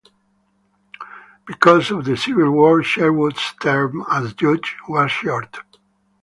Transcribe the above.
Because of the Civil War, Sherwood's term as judge was short.